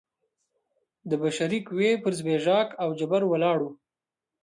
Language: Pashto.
د بشري قوې پر زبېښاک او جبر ولاړ و.